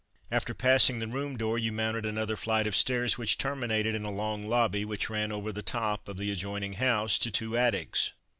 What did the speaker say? After passing the room door you mounted another flight of stairs which terminated in a long lobby, which ran over the top of the adjoining house, to two attics.